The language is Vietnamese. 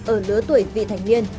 ở lứa tuổi vị thành viên